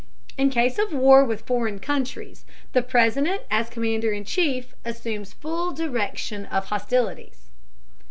In case of war with foreign countries, the President as commander in chief assumes full direction of hostilities.